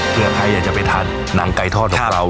เพื่อใครอยากจะไปทานหนังไก่ทอดของเรา